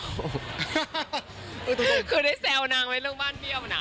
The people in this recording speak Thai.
เคยได้แซวนางไหมเรื่องบ้านเบี้ยวน่ะ